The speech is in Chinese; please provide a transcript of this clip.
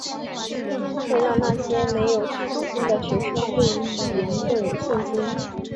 它会让那些没有自信心的学生对于语言更有信心。